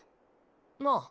なあ